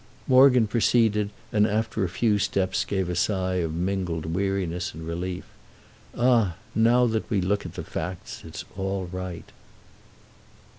Morgan proceeded and after a few steps gave a sigh of mingled weariness and relief. "Ah now that we look at the facts it's all right!"